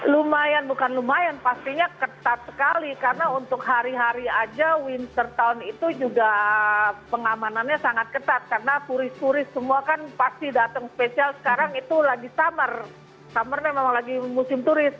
lumayan bukan lumayan pastinya ketat sekali karena untuk hari hari aja windsor town itu juga pengamanannya sangat ketat karena turis turis semua kan pasti datang spesial sekarang itu lagi summer summernya memang lagi musim turis